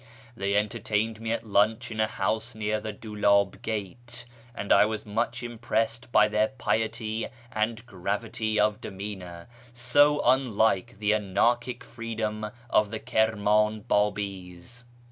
They entertained me at lunch in a house near the Dulab Gate, and I was much impressed by their piety and gravity of demeanour, so unlike the anarchic freedom of the Kirman Babi's.